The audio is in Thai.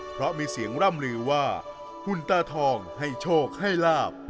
เพราะมีเสียงร่ำลือว่าหุ่นตาทองให้โชคให้ลาบ